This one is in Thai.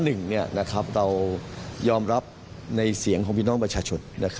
เรายอมรับในเสียงของพี่น้องประชาชน